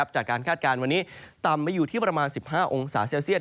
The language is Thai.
คาดการณ์วันนี้ต่ำไปอยู่ที่ประมาณ๑๕องศาเซลเซียต